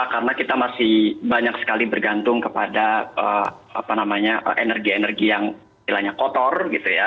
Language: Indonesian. karena kita masih banyak sekali bergantung kepada apa namanya energi energi yang bilangnya kotor gitu ya